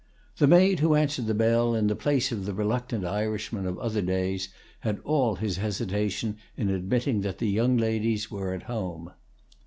The maid who answered the bell, in the place of the reluctant Irishman of other days, had all his hesitation in admitting that the young ladies were at home.